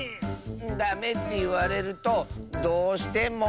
ダメっていわれるとどうしても。